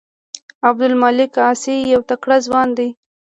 عبدالمالک عاصي یو تکړه ځوان دی.